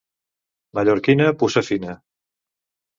Mallorquina, puça fina.